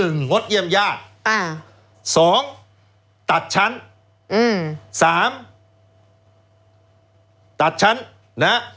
๑งดเยี่ยมยาก๒ตัดชั้น๓ตัดชั้น